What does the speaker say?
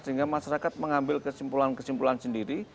sehingga masyarakat mengambil kesimpulan kesimpulan sendiri